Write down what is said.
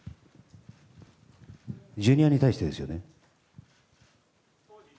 ジュニアに対してですよね。